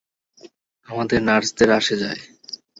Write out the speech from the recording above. আমাদের নার্সদের আসে যায়।